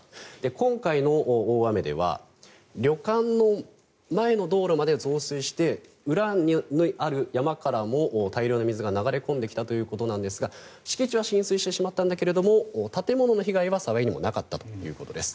今回の大雨では旅館の前の道路まで増水して裏にある山からも大量の水が流れ込んできたということなんですが敷地は浸水してしまったんだけれど建物の被害は幸いにもなかったということです。